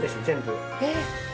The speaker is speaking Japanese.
全部。